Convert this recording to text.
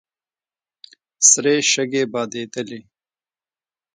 سرې شګې بادېدلې.